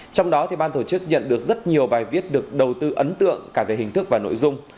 trong đó ban tổ chức nhận được rất nhiều bài viết được đầu tư ấn tượng cả về hình thức và nội dung